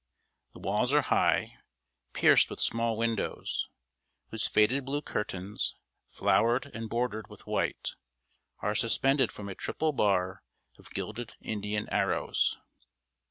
The walls are high, pierced with small windows, whose faded blue curtains, flowered and bordered with white, are suspended from a triple bar of gilded Indian arrows.